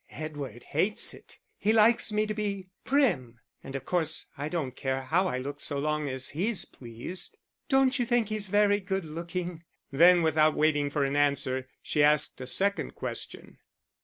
"Edward hates it; he likes me to be prim.... And of course I don't care how I look so long as he's pleased. Don't you think he's very good looking?" Then without waiting for an answer, she asked a second question.